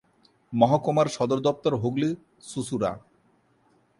মহকুমার সদর দপ্তর হুগলি-চুঁচুড়া।